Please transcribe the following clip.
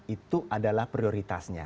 itu adalah prioritasnya